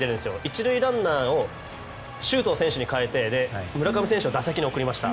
１塁ランナーを周東選手に代えて村上選手を打席に送りました。